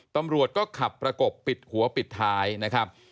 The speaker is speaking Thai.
ตำรวจก็ขับประกบปิดหัวปิดท้ายนะครับ